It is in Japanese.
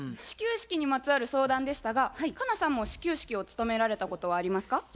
始球式にまつわる相談でしたが佳奈さんも始球式を務められたことはありますか？